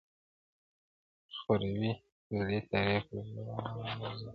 خپروي زړې تيارې پر ځوانو زړونو!!